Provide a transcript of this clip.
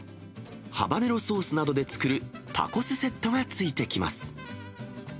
ハバネロソースなどで作るタコスセットが付いてきます。